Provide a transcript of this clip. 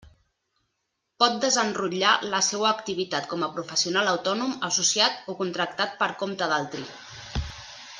Pot desenrotllar la seua activitat com a professional autònom, associat o contractat per compte d'altri.